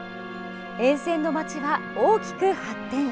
沿線の街は大きく発展。